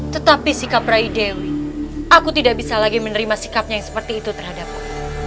tetapi sikap rai dewi aku tidak bisa lagi menerima sikapnya yang seperti itu terhadapku